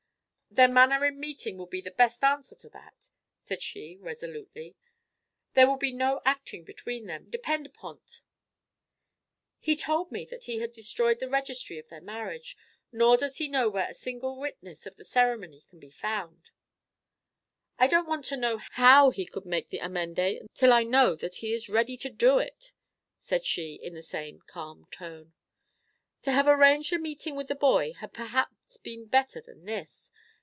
"Their manner in meeting will be the best answer to that," said she, resolutely. "There will be no acting between them, depend upon 't." "He told me that he had destroyed the registry of their marriage, nor does he know where a single witness of the ceremony could be found." "I don't want to know how he could make the amende till I know that he is ready to do it," said she, in the same calm tone. "To have arranged a meeting with the boy had perhaps been better than this.